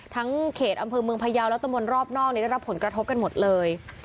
ทั้งเขตอำเภอเมืองพายาวและตะมนต์รอบนอกได้รับผลกระทบกันหมดเลย